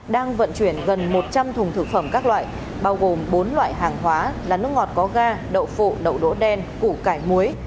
đang vận chuyển gần một trăm linh thùng thực phẩm các loại bao gồm bốn loại hàng hóa là nước ngọt có ga đậu phụ đậu đỗ đen củ cải muối